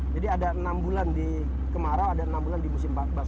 jadi ada enam bulan di kemarau ada enam bulan di musim basahnya